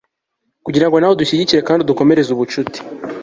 kugira ngo nawe udushyigikire, kandi udukomereze ubucuti